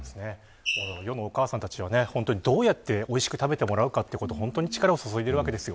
世のお母さんたちは本当にどうやっておいしく食べてもらおうかということに本当に力を注いでいるわけです。